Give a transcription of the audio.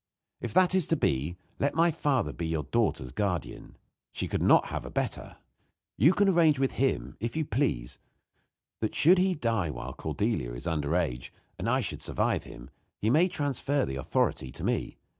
If that is to be, let my father be your daughter's guardian. She could not have a better. You can arrange with him, if you please, that should he die while Cordelia is under age and I should survive him, he may transfer the authority to me.